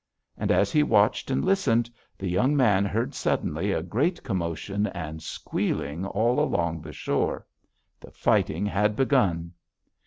And as he watched and listened, the young man heard suddenly a great commotion and squealing all along the shore: the fighting had begun.